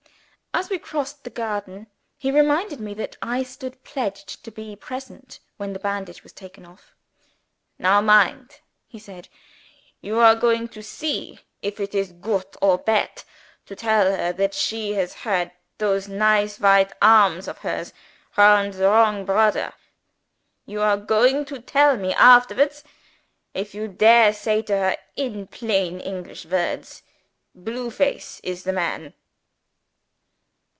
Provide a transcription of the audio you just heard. As we crossed the garden, he reminded me that I stood pledged to be present when the bandage was taken off. "Now mind!" he said. "You are going to see, if it is goot or bad to tell her that she has had those nice white arms of hers round the wrong brodder. You are going to tell me afterwards, if you dare say to her, in plain English words, 'Blue Face is the man.'"